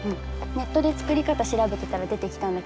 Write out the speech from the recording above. ネットで作り方調べてたら出てきたんだけどね